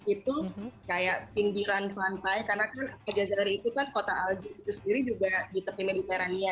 itu kayak pinggiran pantai karena kan kejazahri itu kan kota alju itu sendiri juga di tepi mediterania